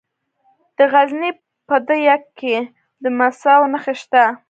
د غزني په ده یک کې د مسو نښې شته.